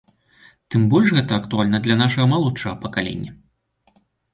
Тым больш гэта актуальна для нашага малодшага пакалення.